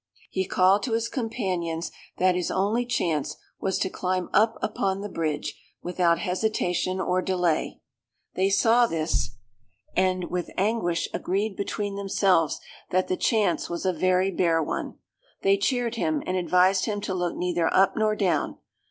He called to his companions that his only chance was to climb up upon the bridge, without hesitation or delay. They saw this, and with anguish agreed between themselves that the chance was a very bare one. They cheered him, and advised him to look neither up nor down.